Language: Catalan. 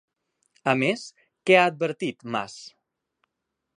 A més, què ha advertit Mas?